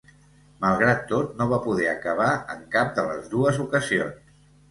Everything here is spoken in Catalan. Malgrat tot, no va poder acabar en cap de les dues ocasions.